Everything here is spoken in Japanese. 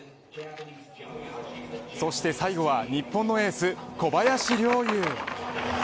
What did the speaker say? そして最後は日本のエース・小林陵侑。